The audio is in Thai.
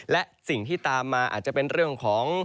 และสิ่งที่ตามมาอาจจะเป็นเรื่องของ